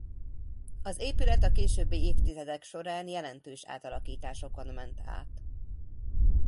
Az épület a későbbi évtizedek során jelentős átalakításokon ment át.